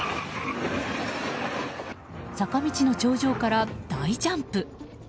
坂道の頂上から大ジャンプ。